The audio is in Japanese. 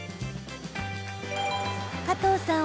加藤さん